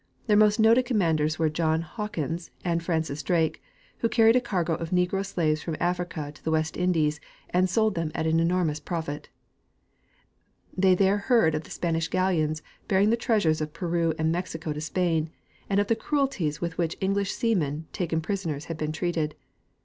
Tlieir most noted commanders were John Hawkins and Francis Drake, Avho car ried a cargo of negro slaves from Africa to the West Indies and sold them at an enormous profit. They there heard of the Spanish galleons bearing the treasures of Peru and Mexico to Spain, and of the cruelties with which English seamen, taken prisoners, had been treated.